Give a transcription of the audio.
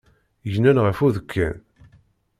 Gnen ɣef udekkan.